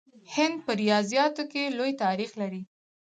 هند په ریاضیاتو کې لوی تاریخ لري.